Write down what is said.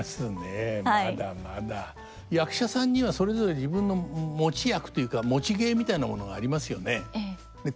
役者さんにはそれぞれ自分の持ち役というか持ち芸みたいなものがありますよね。